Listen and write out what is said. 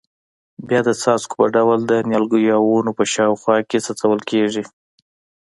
بیا د څاڅکو په ډول د نیالګیو او ونو په شاوخوا کې څڅول کېږي.